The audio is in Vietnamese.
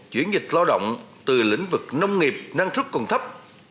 chuyển dịch lao động từ lĩnh vực nông nghiệp năng suất còn thấp